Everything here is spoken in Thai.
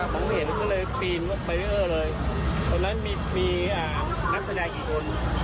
พี่เห็นเลยพีนบารริเตอร์เลยตรงนั้นมีนะแสลกี่คน